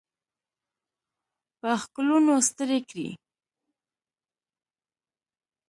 په ښکلونو ستړي کړي